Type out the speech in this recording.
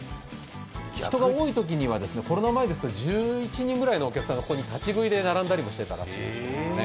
人が多いときにはコロナ前ですと１１人ぐらいのお客さんがここに立ち食いで並んだりもしてたらしいです。